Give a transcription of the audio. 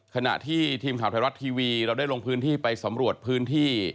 ขณะที่ทีมข่าวไทยรัฐทีวีเราได้ลงพื้นที่ไปสำรวจพื้นที่